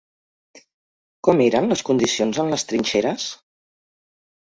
Com eren les condicions en les trinxeres?